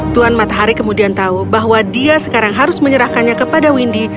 tuhan matahari kemudian tahu bahwa dia sekarang harus menyerahkannya kepada windy